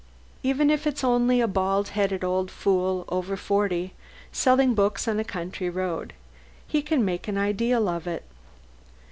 Even if he's only a bald headed old fool over forty selling books on a country road, he can make an ideal of it.